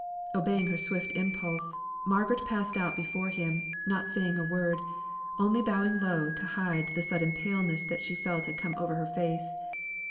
Obeying her swift impulse, Margaret passed out before him, saying not a word, only bowing low to hide the sudden paleness that she felt had come over her face.